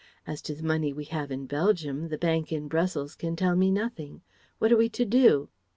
As to the money we have in Belgium, the bank in Brussels can tell me nothing. What are we to do?"